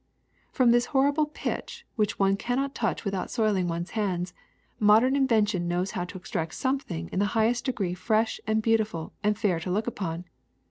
From this horrible pitch, which one cannot touch mthout soiling one's hands, modern invention knows how to extract something in the highest degree fresh and beautiful and fair to look upon.